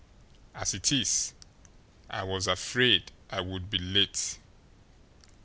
As it is, I was afraid I would be late.